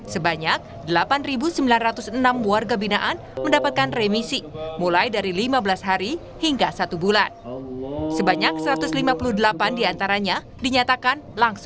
sebanyak delapan sembilan ratus enam warga binaan